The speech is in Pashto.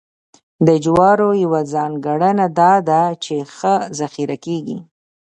د جوارو یوه ځانګړنه دا ده چې ښه ذخیره کېږي.